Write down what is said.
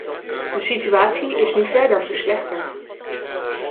De situatie is nu verder verslechterd.